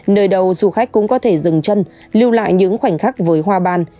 nơi đâu du khách cũng có thể dừng chân lưu lại những khoảnh khắc với hoa ban